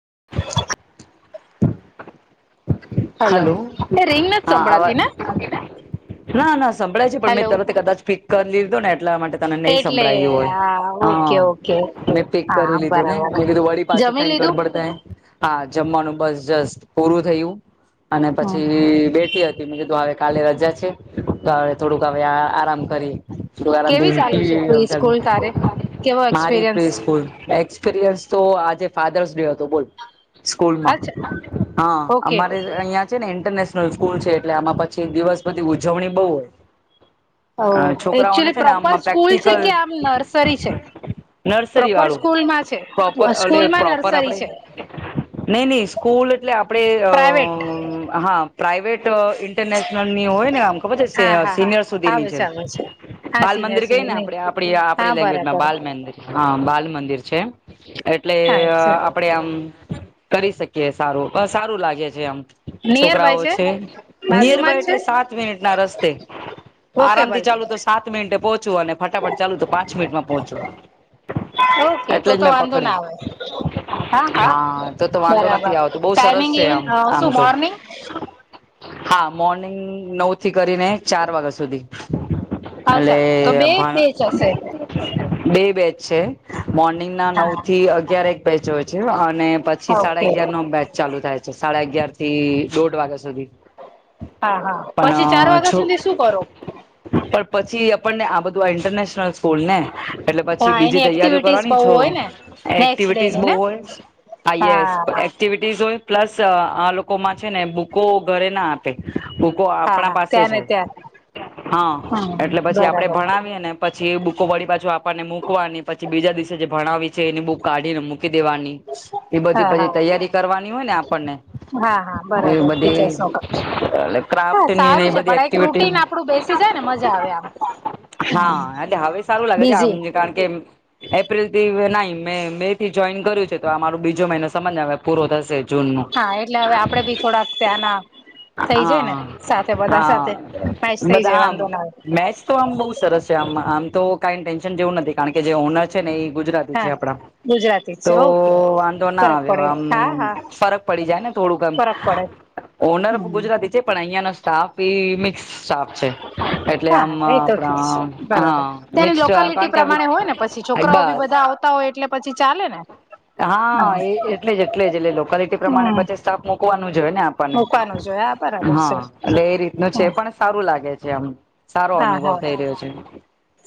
[unintelligible] Hello એ ring નથી હા અવાજ સંભળાતી ને ના ના સંભળાય છે, પણ મેં હેલો તરત કદાચ પીક કરી લીધો ને એટલા માટે તને નહી એટલે સંભળાયું હોય હા ઓકે ઓકે હ મે પીક હા કરી લીધું ને મે બરાબર કીધું વળી પાછું જમી કઈક લીધું ગડબડ થાય. હા, જમવાનું બસ જસત પૂરું થયું અને હમ પછી બેઠી હતી બારે કાલે રજા છે તો થોડુંક હ આરામ કેવી ચાલુ છે પ્રી સ્કૂલ તારે કેવો એક્સપિરિયન્સ કરીએ, [unintelligible] પીડીએફ તો આજે ફધર્સ ડે હતો બોલ સ્કૂલમાં અચ્છા હા ઓકે અમારે અહિયાં ને ઇન્ટરનેશનલ સ્કૂલ છે એટલે આમાં પછી દિવસ બધી ઉજવણી બહુ હોય આ છોકરાઓને એકચુલી છે ને પ્રોપર આમમાં સ્કૂલ છે કે પ્રેક્ટિકલ આમ નર્સરી છે નર્સરી પ્રોપર વાળું સ્કૂલમાં છે પ્રોપર એટલે સ્કૂલમાં પ્રોપર નર્સરી આપડે છે નહી નહી સ્કૂલ એટલે આપણે પ્રાઇવેટ હા પ્રાઈવેટ ઇન્ટરનેશનલ ની હોય ને આમ ખબર છે હા હા હા સિનિયર સુધીની આવે છે, આવે હા બાલ સિનિયર મંદિર કઈ ને સુધી નહી આપડે આપડી હા આપડી લેંગ્વેજમાં બરાબર બાલ મંદિર હા બાલ મંદિર છે એટલે હા આપડે આમ કરી શકીએ સારું સારું લાગે છે, આમ નિયર બાય છોકરાઓ છે નિયર બાજુમાં બાય જ છે એટલે સાત મિનિટ ના રસ્તે ઓકે આરામ થી ભલે ચાલુ તો સાત મિનિટે પોહોંચવું અને ફટાફટ ચાલુ તો પાંચ મિનિટમાં પોહોંચું. ઓકે તો તો વાંધો ના આવે હા હા તો તો વાંધો બરાબર નથી આવતો બહુ સરસ ટાઈમિંગ છે એવી આમ આમ શું તો મોર્નિંગ? હા મોર્નિંગ નવ થી કરીને ચાર વાગ્યા સુધી, અલે અચ્છા તો એ બે બે જશે પણ બે બેચ છે મોર્નિંગ ના નવ હા થી અગાર એક બેચ હોય છે, અને પછી સાડા ઓકે અગયાર નો મેચ ચાલુ થાય છે સાડા અગયાર થી દોઢ વાગ્યા સુધી. હા હા પછી ચાર પણ વાગ્યા છુ સુધી શું કરો [inaudible] પછી આપણને આ બધું આ ઇન્ટરનેશનલ સ્કૂલ ને એટલે પછી હા બીજી એની તૈયારીઓ એક્ટિવિટીસ કરવાની બહુ છો હોય ને નેક્સ્ટ ડે એક્ટિવિટીસ ની બહુ ને હોય, આઈએસ હા એક્ટિવિટીસ હોય પ્લસ આ લોકોમાં છે ને બુકો ઘરે ના આપે, હૂકો હા આપણા હા પાસે ત્યાં જ ને હોય ત્યાં હા, હમ એટલે પછી આપડે બરાબર ભણાવીએને પછી એ બુકો વળી પાછો આપવાને મૂકવાની પછી બીજા દિવસે જે ભણાવી છે એની બુક કાઢી ને મૂકી દેવાની એ બધી હા હા પછી તૈયારી કરવાની હોય ને આપણને હા હા એ બરાબર બધી ટીચર્સ સમજ એટલે ક્રાફ્ટ હા, ની ને એ સારું છે બધી પણ એક એક્ટિવિટી રૂટીન આપડું બેસી જાય ને મજા આવે આમ, હા, એ હવે સારું લાગે છે આમ બીઝી કારણ કે એપ્રિલ થી નહી મે મે થી જોઈન કર્યું છે, તો અમારો બીજો મહિનો સમજ ને આવે પૂરો થશે જૂન નો હા એટલે હવે આપડે ભી થોડાક ત્યાં ના હા હા મેચ થઈ બધા જાય આમ વાંધો ના આવે મેચ તો આમ બહ સરસ છે. આમ તો કાઈ ટેન્શન જેવું નથી કારણ કે જે ઓનર છે, ને એ ગુજરાતી હા છે, આપડા ગુજરાતી છે ઓકે તો વાંધો ના ફરક આવે પડે હા આમ હા ફરક પડી જાય ને થોડુંક ફરક પડે ઓનર ઓ હમ ગુજરાતી છે, પણ અહિયાં સ્ટાફ ઈ મિક્સ સ્ટાફ છે, એટલે હા આમ એ તો ઠીક છે, આપણા બરાબર હા તેની મિક્સ કારણ લોકાલિટી કે હવે પ્રમાણે હોય ને પછી છોકરાઓ બી બસ બધા આવતા હોય એટલે પછી ચાલે ને હા, એ એટલે જ એટલે જ એટલે લોકાલિટી પ્રમાણે હમ પછી સ્ટાફ મુકવાનું જ હોય, ને આપણને મૂકવાનું જોય હા બરાબર છે હા, એટલે એ રીતનું હા છે પણ સારું લાગે છે, એમ સારો હા અનુભવ હા થઈ રહ્યો છે.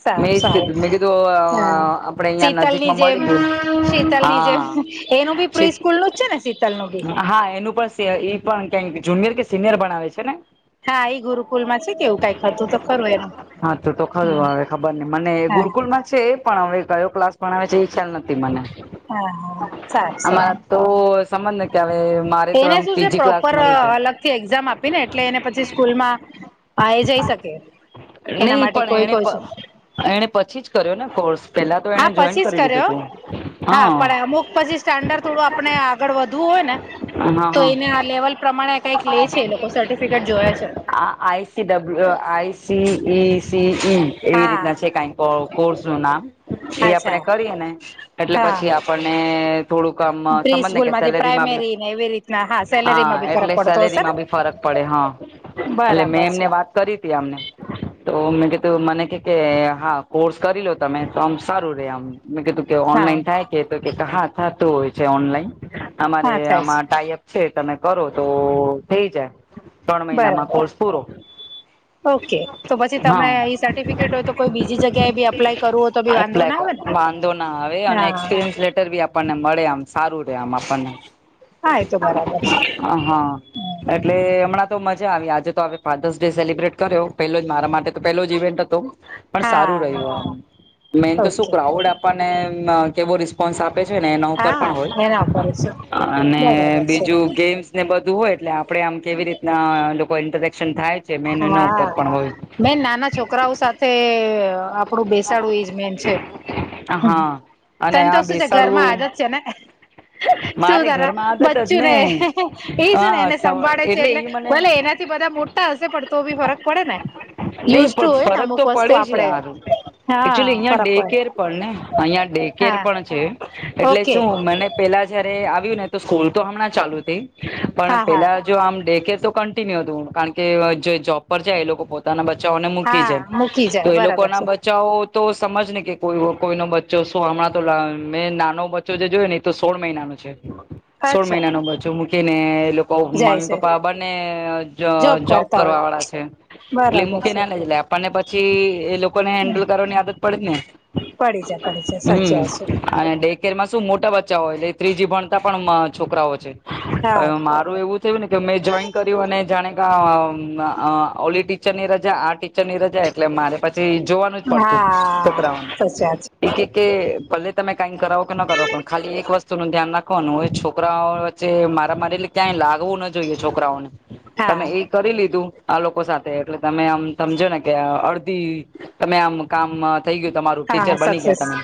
સારું મેં એજ સારું કીધું મેં કીધું હા આપડે અહિયાં શીતલની નજીકમાં જેમ મળી ગયું. શીતલની જેમ હા એનું બી પ્રી સ્કૂલ નું જ છે ને શીતલ નું બી હા એનું પણ સ પણ ક જુનિયર કે સિનિયર બનાવે છે ને હા એ ગુરુકુલ માં છે કેવું કઈક હતું તો ખરું એનું હા તો તો ખારું હમ આવે ખબર ન મને હા ગુરુકુલ માં છે. પણ હ કયો ક્લાસ પણ આવે છે એ ખ્યાલ નથી મને હા હા સારું સારું અમારા તો સમજ ને કે અવે મારે તો એને એમ શું છે પીજી ક્લાસ પ્રોપર મળ્યું છે. અલગ થી એક્ઝામ આપીને એટલે એને પછી સ્કૂલ માં આ એ જઈ શકે એના નહી માટે પણ કોઈ એણે કોઈ છે એણે પછી જ કર્યો ને કોર્સ પેલા તો હા એને જોઈન પછી જ કરી લીધું કર્યો તું હા પણ અમુક પછી સ્ટાન્ડર્ડ થોડું આપણે આગળ વધવું હોય ને હા તો હા એને આ લેવલ પ્રમાણે કઈક લે છે એ લોકો સર્ટિફિકેટ જોયા છે. આઈસીઈસી ઈ એવી હા રીતના છે કઈ કોર્સ નું નામ એ આપણે અચ્છા કરીએ ને એટલે હા પછી આપણને થોડુંકામ પ્રી સમજ ને સ્કૂલ કે માંથી સેલેરીમાં બી પ્રાઈમેરી ને એવી રીતના સેલેરીમાં હા બી ફરક એટલે પડતો હશે ને સેલેરીમાં બી ફરક પડે હા એટલે મેં બરાબર છે એમને વાત કરી મને [unintelligible] તો મેં કધું મને કે કે હા કોર્સ કરી લો તમે તો આમ સારું રે આમ મેં કીધું કે હા ઓનલાઈન થાય કે હા થતું હોય છે ઓનલાઈન અમારે હા થાય છે આમાં ટાઈઅપ છે તમે કરો તો થઈ જાય. ત્રણ મહિનામાં કોર્સ બરાબર પૂરો ઓકે તો પછી હા તને એ સર્ટિફિકેટ હોય તો કોઈ બીજી જગ્યાએ બી અપ્લાય કરવું હોય તો બી વાંધો ના એપ્લાય આવે- ને વાંધો ના આવે અને હા એક્સપિરિયન્સ લેટર બી આપણને મળે આમ સારું રે આમ આપણને હા એ તો બરાબર છે હા એટલે હમણાં તો મજા આવી આજે તો હ ફાધર્સ ડે સેલિબ્રેટ કર્યો પેલો જ મારા માટે તો પેલો જ ઇવેન્ટ હતો. પણ સારું હા રહ્યું મેન તો શું ઓકે ક્રાઉડ આપને કેવો ર આપે છે ને એના ઉપર હા પણ એના ઉપર છે હોય અને બરાબર છે બીજું ગેમ્સ ને બધું હોય એટલે આપણેે આમ કેવી રીતના લોકો ઇન્ટરેક્ટ હા મેં નાના છોકરાઓ સાથે આપણું બેસાડું એજ મેન છે. હા અને તને તો આ શું છે ઘરમાં બેસાડવું આદત છે ને શું મારે તાર ઘરમાં આદત જ બચ્ચું ને એજું ને હા એને સંભાળે છે એટલે ઈ મને ભલે એને થી બધા મોટા હશે પણ તો બી ફરક પડે ને નહી યુઝ ટુ પણ હોય ને ફરક અમુક તો વસ્તુ પડે છે આપડે હારું હા એકચુલી અહિયાં ફરક ડે પડે કેર પણ ને અહિયાં ડેકેર હા પણ છે એટલે ઓકે શું મને પેલા જ આવને સ્કૂલ તો હમણાં ચાલુ પણ હા હા પેલા જો આમે તો કિન્યુ હતું કારણ કે જે જોબ પર છે એ લોકો પોતાના બચાને મૂકી હા જાય મૂકી તો જાય એ લોકો લોકો બરાબર ના છે બચાવો તો સમજ નને કે કોઈ કોઈ ન બચ્ચો શું હમણાં તો મેં નાનો બચ્ચો જે જોયો નહી તો સોળ મહિનાનો સોળ અચ્છા મહિના ન બાજુ મૂકીને જાય મમ્મી છે પપ્પા બને જોબ કરતા હોય કરવા વાળા છે એટલે મું બરાબર કે છે ના લઈ લ આપણને પછી એ લોકો હેન્ડલ કરવાની આદત પડ જ પડી જાય પડી જાય સાચી વાત ને હ માં શું મોટા બચ્ચા હોય એટલે ત્રીજી ભણતા પણ છોકરાઓ છે. મારું એવું થયું ને કે મેં જોઈન કર્યું અને જાણે ક ઓ ટીચર ની રજા આ ટીચરની રજા એટલે મારે પછી જોવાનું જ છે પડતું હા હા છોકરાઓનું. સાચી વાત કે ભલે તમે કઈક કરાવો કે ન કરાવો પણ ખાલી એક વસ્તુ નું ધ્યાન રાખવાનું હોય છોકરાઓ વચ્ચે મારા મારે એટલે ક્યાંય લાગવું ના જોઈએ છોકરાઓને. છે તમે હા એ કરી લીધું આ લોકો સાથે એટલે તમે આમ સમજો ને કે અડધી તમે આમ કામ થ ગયું તમારું ટીચર હા બની ગયા સક્સેસ તમે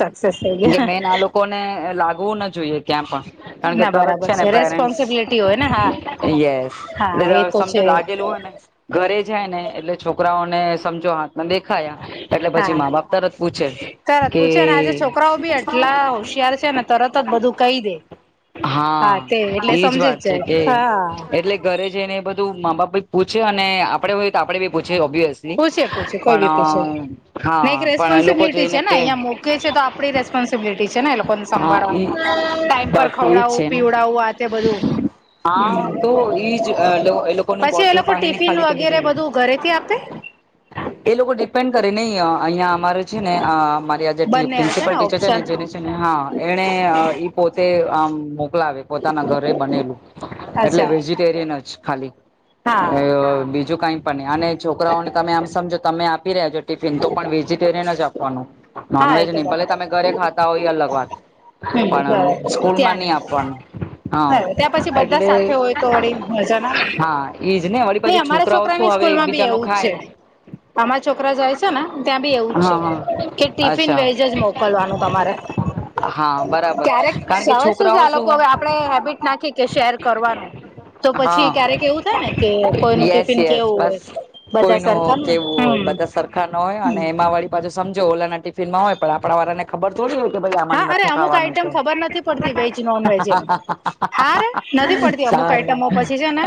સક્સેસ થઈ ગયા મેન આ લોકોને લાગવું ના જોઈએ ક્યાં પણ કારણ કે ના તરત બરાબર છે ને પેરેન્ટ્સ રેસ્પોન્સિબિલિટી હોય ને હા યસ હા એ એટલે તો સમજો છે લાગેલું હોય ને ઘરે જાય ને એટલે છોકરાઓ સમજો હાથને દેખા એટલે પછી હા મા બાપ તરત પૂછે. તરત કે પૂછે ને આજે છોકરાઓ બી એટલા હોશિયાર છે ને તરત જ બધું કહી દે હા તે એટલે એજ સમજી વાત જ છે જાય કે હા એટલે ઘરે જઈને બધું મા બાપ ભાઈ પૂછે અને આપડે હોય તો આપણે ભી પૂછે ઓબ્યસલી પૂછે પૂછે કોઈ બી પૂછે પણ હા ને એક પણ એ લોકો છેને કે આપ રેસ્પોન્સબિલિટી છે ને એ લોકોને હા સંવા ઈ ટાઈમ પર- બસ એજ ખવડાવું છે ને પીવડાવું આ તે બધું હા તો એજ એ લોકોનું પછી એ બોટલ લોકો પાણીની ટિફિન ખાલી થવી વગેરે જોઈએ બધું ઘરેથી આપે? એ લોકો ડિપેન્ડ કરે નહી અહિયાં અમારે છે ને અમારી આ જે બંને હશે પ્રિન્સિપલ ટીચર છે ને ઓપ્શન જેને છે ને હા એને પોતે આમ મોકલાવે પોતાના ઘરે બનેલું એટલે અચ્છા વેજીિટેરિયન જ ખાલી. હા એ બીજું કઈ અને છોકરાઓને તમે આમ સમજો તમે આપી રહ્યા છો ટિફિન તો પણ વેજીિટેરિયન જ આપવાનું. હા એ નોનવેજ તો નહી ભલે બરાબર તમે ઘરે ખાતા હોય અલગ વાત હમ પણ બરાબર ત્યાં મની નહી આપવાનું હા બરાબર ત્યાં પછી બધા એટલે સાથે હોય તો વળી મજા ના હા એજ ને વળી ન બાજુ અમારા છોકરાઓ છોકરાને શું જ હવે સ્કૂલમાં બી એકબીજા ન એવું જ છે ખાય અરા છોકરા જાય છે ને ત્યાં બી એવું છે હા કે હા ટિફિન અચ્છા વેજ જ મોકલવાનું તમારે. હા બરાબર. કારણ સજ કે શું છે છોકરાઓ આ લોકો હવે આપણે હેબિટ નાખી કે શેર કરવાનું. તો હા પછી ક્યારેક એવું થાય ને કે કોઈનું યસ ટિફિન યસ કેવું હોય. બસ બધા કોઈનું હો સરકારમાં કેવું હોય હમ. બધા સરખા ન હોય હમ અને એમાં વાળી પાછું સમજો ઓલા ના ટિફિનમાં હોય પણ આપણા વાળાને ખબર તોડી હો કે ભાઈ હા આમાને અરે નથી અમુક ખાવાનું આઈટમ તો. ખબર પડતી વેજ નોન વજ હ રે નથી પડતી અમુક સારું આઈટમો પછી છે ને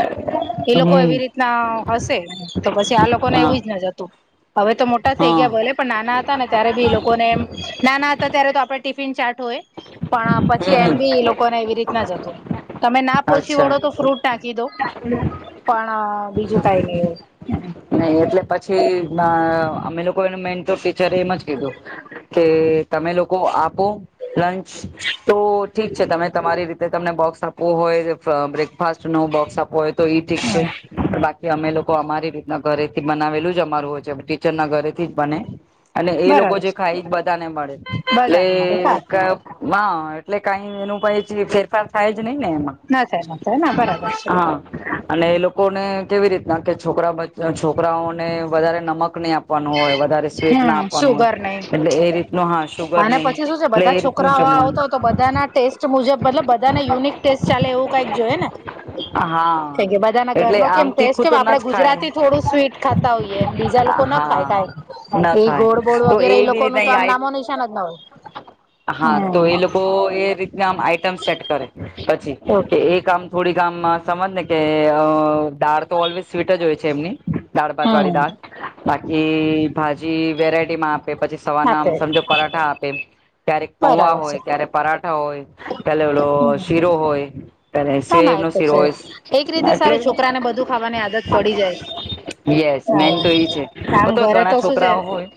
એ લોકો એવી હમ રીતના હશે તો પછી આ લોકોને હા એવું જ ના જતું હવે તો મોટા થઈ ગયા બોલે હા પણ નાના હતા ને ત્યારે બી એ લોકોને એમ નાના હતા ત્યારે તો આપડણે ટિફિન ચા હોય પણ પછી એમ હમ બી એ લોકોને એવી રીત ના જતું તમે ના પોહચી અચ્છા વળો તો ફ્રૂટ નાાકી દો. પણ બીજું કઈ નહી એવું. ના અમે લોકો એનું મેન તો ટીચરે એમ જ કીધું કે તમે લોકો આપો. લંચ તો ઠીક છે તમે તમારી રીતે તમને બોક્સ આપવું હોય બ્રેકફાસ્ટ નું બોક્સ આપવો હોય તો ઈ ઠીક છે હા બાકી કે અમે લોકો અમારી રીતના ઘરેથી બનાવેલું જ અમારું હોય છે ટીચર ના ઘરે થી જ બને. અને એ લોકો બરાબર જે છે ખાય બધાને મળે એટલે. બધાને મળે હા એટલે કઈ એનું પ ફેરફાર થાય ન એ હ ના થાય ના થાય ના બરાબર છે અને એ લોકોને કેવી રીતના કે છોકરા્ચ છોકરાઓને વધારે નમક નહી આપે આપવાનું હોય વધારે સ્વીટ ના હમ આપવાનું સુુગર હોય નહી એટલે એ રીત ન હા સુુગર અને નહી પછી શું છે એટલે બધા એ રીતનું છોકરાઓ જમવાનું આવતા હોય તો બધાના ટેસ્ટ મુજબ મતલબ બધાને યુનિક ટેસ્ટ ચાલે એવું કઈક જોઈએ ને હા થ બધાના એટલે ઘરનોો આમ કેમ ટેસ્ટ તીખું કેમ તો ન આપડે જ ખાય ગુજરાતી થોડું સ્વીટ ખાતા હોઈય એમ બીજા લોકો ના ખાઈ હા કાય ના એ ખાય ગોડ બોડ તો વગેરે એ એવી લોકો નું રીતના તો આમ નામો નિશાન જ ના હોય હા તો એ લોકો એ રીતના આ આઈટમ સેટ કરે પછી હમ કે એક આામ થોડીકામ સમજ ને કે દાળ તો ઓલવેઝ સ્વીટ જ હોય છે એમની દાળ ભાત વાળી દાળ હમ બાકી ભાજી વેરાયટી આપે પછી સવાના આપે સમજો પઠા આપે ક્યારેક કવા બરાબર છે હોય ક્યારેક પરાઠા હોય પલે ઓલો હમ શીરો હોય પલે સે ના ના એ તો િરો છે એક રીતે એટલે સારું છોકરાને બધું ખાવાની આદત પડી જાય યસ મેન તો ઈ છે, હા અ આમ તો ઘરે ઘણા શું છે છોકરાઓ હોય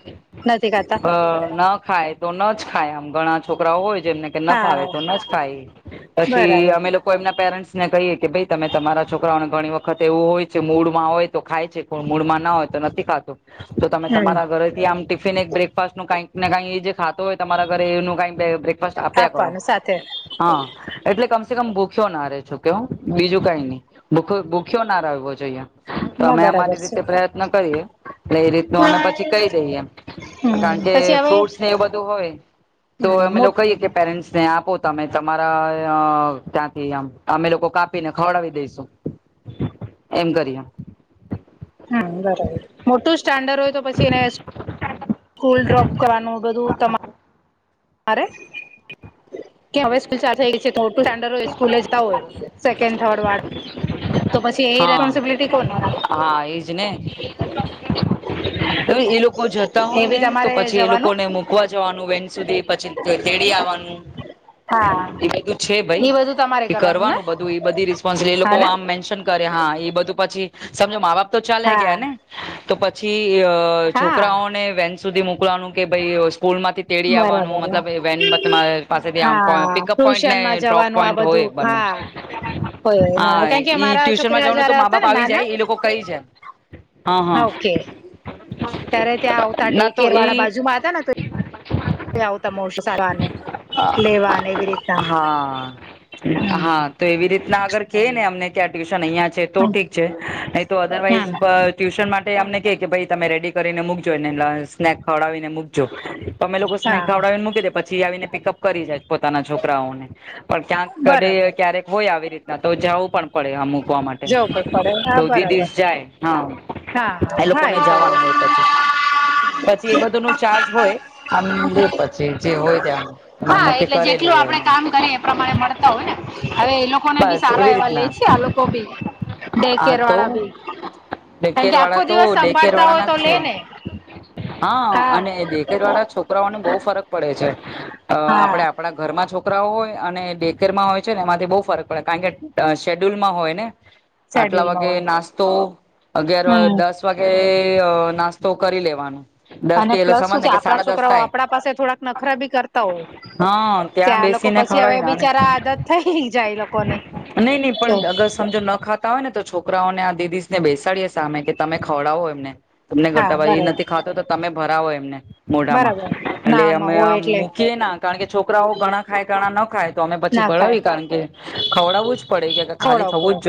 નથી ખાતા અ ના ખાય તો ન જ ખાય આમ ઘણા છોકરાઓ હોય જેમને કે ન ફાવે હા તો ન જ ખાય પછી બરાબર અમે લોકો એમના પેરેન્ટ્સ ને કહીએ કે ભાઈ તમે તમારા છોકરાઓને ઘણી વખત એવું હોય કે મૂળમાં હોય તો ખાય છે કોણ મૂળમાં ના હોય તો નથી ખાતું તો તમે હમ તમારા ઘરેથી આમ ટિફિન એક બ્રેકફાસ્ટનું કંઈક ને કઈ એ જે ખાતો હોય તમારા ઘરે એનુ કાઈ બ્રેકફાસટ આપ્યા કરો આપવાનું સાથે હા એટલે કમસે કમ ભુ ખયો નારે છું કે હું બીજું કઈ ની ભૂખ ભૂખ્યો ના રેવો જોઈએ તો ના અમે બરાબર અમારી છે રીતે પ્રયત્ન કરીએ એટલે એ રીતનું અમે પછી કહી દઈએ એમ હમ કારણ કે પછી હવે ફ્રૂટ્સ ને એ બધું હોય તો હમ અમે મો લો કહીએ કે પેરેન્ટ્સ ને આપો તમે તમારા ત્યાંથી અમે લોકો કાપીને ખવડાવી દઈશુ એમ કરીને હ બરાબર મોટું સ્ટાન્ડર્ડ હોય તો પછી એને સ્કૂલ ડ્રોપ કરવાનું બધું તમા રે કે અવે સ્કુલ ચાલુ થઈ ગય છે, [unintelligible] હોય સ્કૂલે જતા હોય સેકન્ડ થર્ડ વાળા હા હા એજ ને એ લોકો જતા હોય એ બી ને તો તમારે પછી એ લોકો જવાનું ને મુકવા જવાનું વેન સુધી તેડી આવાનું હા છે ભાઈ એ બધું તમારે એ ને કરવાનું બધું એ બધી રિસ્પોન્સ એ હા લોકો ને આમ મેન્શન કરે હા એ બધું પછી સમજો મા બાપ તો ચાલ્યા ગયા હા ને તો પ છી અ હા છોકરાઓને વેન સુધી મોકવાનું કે ભાઈ પૂલમાંથી તેડી આવવાનું બરાબર મતલબ એ વેન તમારે પાસેથી આમ પિકઅપ પોઈન્ટ ને ટ્રેનમાં ડ્રોપ જવાનું આ પોઈન્ટ હોય બધું બંને હા હોય નાના હા કારણ કે ઈ અમારા ટ્યુશનમાં છોકરા જવાનું તો જારે મા હતા બાપ ને આવી નાના જાય એ લોકો કઈ જાય હા હા ઓકે ત્યારે ત્યાં આવતા ડે ના તો કેર એ વાળા બાજુમાં હતા ને ત આવતા મોસું ખ લેવાને એવી રીતના હા હા હમ તો એવી રીતના આગર કે ને અમને ત્યાં ટ અંયા છે તો ઠીક છે નહી તો અધરવાઈઝ હમ ટ્યુશન મા ટે આમને કે કે ભાઈ તમે રેડી કરીને મૂકજો સ્નેક ખવાવીને મૂકજો તમે લોકો સ્નેક હા ખાવડાવીને મૂકી દે પછી આવીને પિકઅપ કરી જાય પોતાના છો કરાઓને પણ ક્યાંક ક ડે બરાબર ક્યારેક હોય આવી રીતના તો જવું પણ પડે અમુક મુકવા માટે જવું પણ પડે હા તો બે બરાબર દિવસ જાય હા હા એ લોકો હા ને જવાનું તો હોય પછી પછી એ બધુંનું ચાર્જ હોય આમ જો પછી જે હોય તે આમ માર માટે કરેલું પેલું હોય આપણે આમ કામ કરીએ એ પ્રમાણે મળતા હોય ને હવે એ લોકોને બી બસ સારા એવી એવા લે રીતના છે આ લો કોબી ડે આ તો કેરવાળા બી ડેકેર કારણકે આખો વાળા તો દિવસ ડેકેર સંભાળતા વાળા હોય ના તો જ લે ને છે હા અને દેખાઈ વાળા છોકરાઓને બહુ ફરક પડે છે, હા આપડે આપડા ઘરમાં છોકરાઓ હોય અને બેેકરમાં હોય છે ને એમાંથી બોવ ફરક પડે કારણ કે શેડ્યુલમાં હોય ને આટલા શેડ્યુલમાં વાગે હોય નાસ્તો અગિયાર હમ દસ વાગે એઅ નાસ્તો કરી લેવાનો દસ અને થી એટલે પ્લસ સમજ શું ને છે, કે આપડા સાડા દસ છોકરાઓ થાય આપડા પાસે થોડાક નખરા બી કરતા હોય હા ત્યાં લોકો બેસીને પછી ખવડાવી હવે ને બિચારા આદત થઈ જાય એ લોકોની નહી નહી પણ અગર સમજો ન ખાતા આવે ને તો છોકરાઓને આ લેડીઝને બેસાડીએ સામે કે તમે ખવડાવો એમને તમને હા ઘટાવાય એ બરાબર નથી ખાતો તો તમે ભરાવો એમને મોઢામાં બરાબર ના એટલે ન અમે હોય આ એટલે મૂકીયેના કારણ કે છો કરાઓ ઘણા ખાય ઘણા ના ખાય તો અમે પછી ના ખાય ભરાવી કારણ કે ખવડાવવું જ પડે કે ખાલી ખવડાવું થવું પડે જ જો